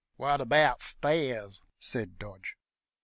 "What about stairs?" said Dodge.